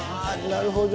なるほど。